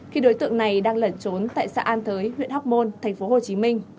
khi đối tượng này đang lẩn trốn tại xã an thới huyện hóc môn tp hcm